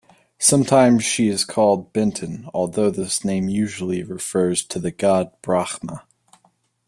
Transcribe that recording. Sometimes she is called Benten although this name usually refers to the god Brahma.